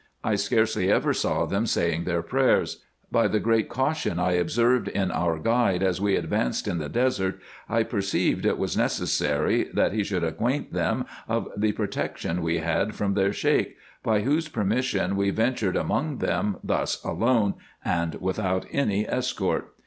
I scarcely ever saw them saying their prayers. By the great caution I observed in our guide as we advanced in the desert, I perceived it was necessary, that he should acquaint them of the protection we had from their Sheik, by whose permission we ventured among them thus alone and without any escort.